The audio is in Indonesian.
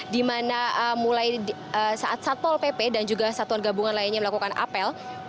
di mana mulai saat satpol pp dan juga satuan gabungan lainnya melakukan apel